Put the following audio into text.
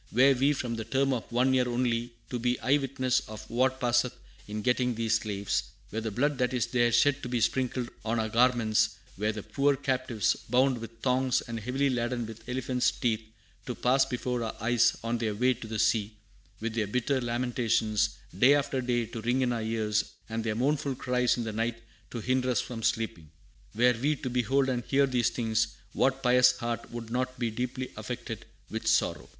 "Were we, for the term of one year only, to be eye witnesses of what passeth in getting these slaves; were the blood that is there shed to be sprinkled on our garments; were the poor captives, bound with thongs, and heavily laden with elephants' teeth, to pass before our eyes on their way to the sea; were their bitter lamentations, day after day, to ring in our ears, and their mournful cries in the night to hinder us from sleeping, were we to behold and hear these things, what pious heart would not be deeply affected with sorrow!"